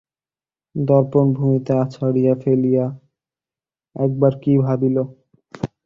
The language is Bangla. দর্পণ ভূমিতে আছাড়িয়া ফেলিয়া একবার কী ভাবিল।